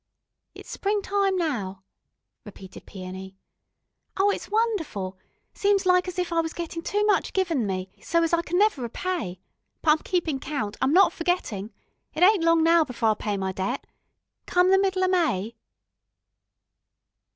"It's springtime now," repeated Peony. "Ow, it's wonderful, seems like as if I was gettin' too much given me, so as I can never repay. But I'm keepin' count, I'm not forgettin'. It ain't long now before I'll pay my debt. Come the middle o' May...."